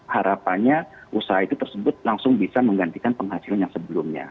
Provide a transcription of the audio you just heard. harapannya usaha itu tersebut langsung bisa menggantikan penghasilan yang sebelumnya